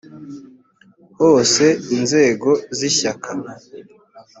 hose inzego z ishyaka